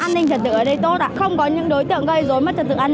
an ninh trật tự ở đây tốt ạ không có những đối tượng gây rối mất trật tự an ninh ạ